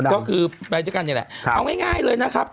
ก็คือไปด้วยกันนี่แหละเอาง่ายเลยนะครับ